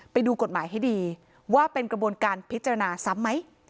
ไปดูกฎหมายให้ดีว่าเป็นกระบวนการพิจารณาซ้ำไหม